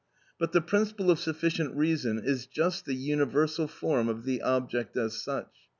(10) But the principle of sufficient reason is just the universal form of the object as such.